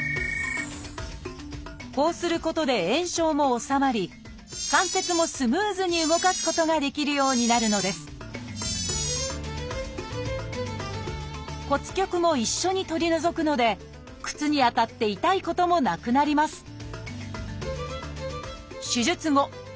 こうすることで炎症も治まり関節もスムーズに動かすことができるようになるのです骨棘も一緒に取り除くので靴に当たって痛いこともなくなります。